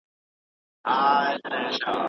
ګلالۍ چای په ترموز کې واچاوه او پټي ته یې یووړ.